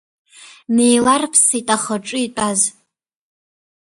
Неиларԥсеит ахаҿы итәаз.